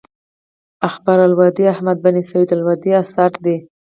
اخبار اللودي احمد بن سعيد الودي اثر دﺉ.